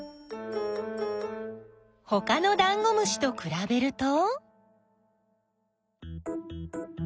ほかのダンゴムシとくらべると？